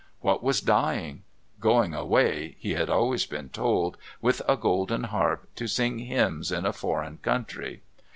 What was dying? Going away, he had always been told, with a golden harp, to sing hymns in a foreign country.